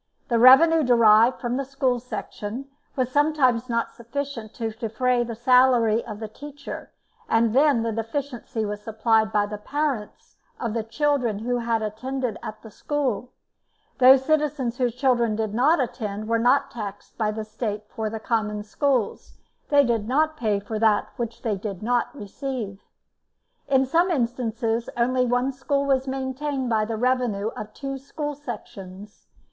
The revenue derived from the school section was sometimes not sufficient to defray the salary of the teacher, and then the deficiency was supplied by the parents of the children who had attended at the school; those citizens whose children did not attend were not taxed by the State for the Common Schools; they did not pay for that which they did not receive. In some instances only one school was maintained by the revenue of two school sections.